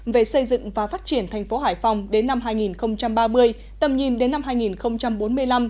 về xây dựng và phát triển thành phố hải phòng đến năm hai nghìn ba mươi tầm nhìn đến năm hai nghìn bốn mươi năm